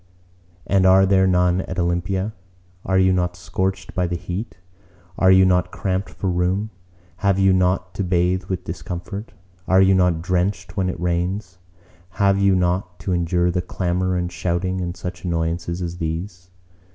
And are there none at Olympia? Are you not scorched by the heat? Are you not cramped for room? Have you not to bathe with discomfort? Are you not drenched when it rains? Have you not to endure the clamor and shouting and such annoyances as these?